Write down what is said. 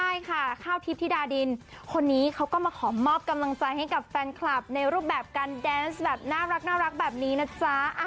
ใช่ค่ะข้าวทิพย์ธิดาดินคนนี้เขาก็มาขอมอบกำลังใจให้กับแฟนคลับในรูปแบบการแดนส์แบบน่ารักแบบนี้นะจ๊ะ